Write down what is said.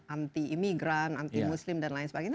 anti imigran anti muslim dan lain sebagainya